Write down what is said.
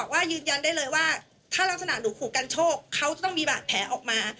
ว่าถ้าลักษณะหนูขู่การโชคเขาจะต้องมีบาทแผลออกมา